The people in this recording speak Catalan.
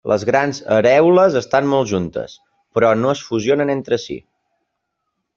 Les grans arèoles estan molt juntes, però no es fusionen entre si.